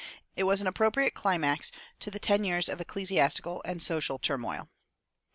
It was an appropriate climax to the ten years of ecclesiastical and social turmoil.